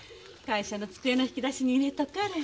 会社の机の引き出しに入れとかれ。